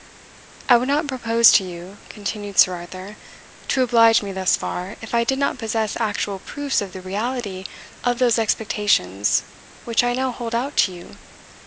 "I would not propose to you," continued Sir Arthur, "to oblige me thus far, if I did not possess actual proofs of the reality of those expectations which I now hold out to you.